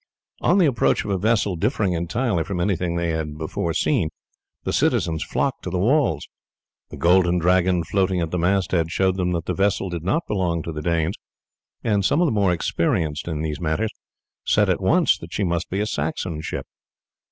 On the approach of a vessel differing entirely from anything they had before seen the citizens flocked to the walls. The Golden Dragon floating at the mast head showed them that the vessel did not belong to the Danes, and some of the more experienced in these matters said at once that she must be a Saxon ship.